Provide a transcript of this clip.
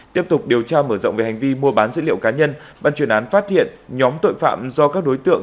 tiếp tục điều tra mở rộng về hành vi mua bán dữ liệu cá nhân ban chuyên án phát hiện nhóm tội phạm do các đối tượng